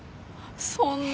そんな。